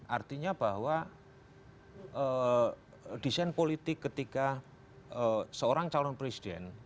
artinya bahwa desain politik ketika seorang calon presiden